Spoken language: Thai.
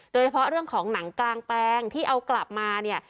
โดยเฉพาะเรื่องของหนังกลางแปลงที่เอากลับมาเนี่ย